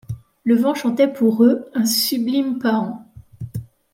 Le vent chantait pour eux un sublime paean ;